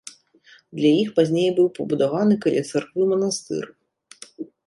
Для іх пазней быў пабудаваны каля царквы манастыр.